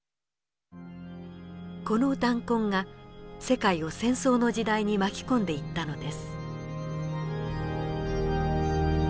この弾痕が世界を戦争の時代に巻き込んでいったのです。